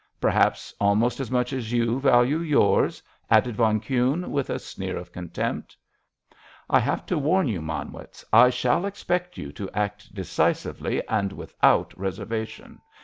"Perhaps almost as much as you value yours!" added von Kuhne, with a sneer of contempt. "I have to warn you, Manwitz, I shall expect you to act decisively and without reservation!